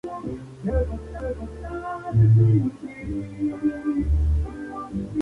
A pesar de que no murió, permaneció en coma durante tres meses.